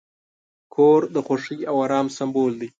کور د خوښۍ او آرام سمبول دی.